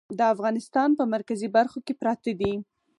د افغانستان په مرکزي برخو کې پراته دي.